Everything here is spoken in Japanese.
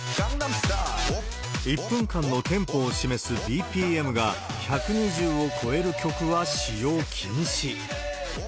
１分間のテンポを示すＢＰＭが１２０を超える曲は使用禁止。